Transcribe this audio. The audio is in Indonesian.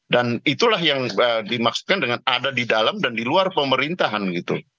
dan itulah yang dimaksudkan dengan ada di dalam dan di luar pemerintahan gitu